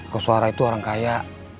ke suara itu orang kaya